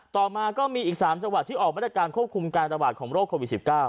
ต่อมาก็มีอีก๓จังหวัดที่ออกมาตรการควบคุมการระบาดของโรคโควิด๑๙